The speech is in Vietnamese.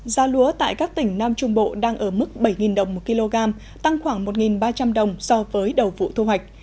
giá lúa tại các tỉnh nam trung bộ đang ở mức bảy đồng một kg tăng khoảng một ba trăm linh đồng so với đầu vụ thu hoạch